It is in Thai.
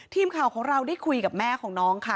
ทีมข่าวของเราได้คุยกับแม่ของน้องค่ะ